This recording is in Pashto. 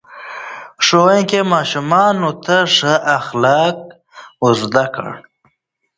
ښوونکي ماشومانو ته ښه اخلاق ور زده کړل.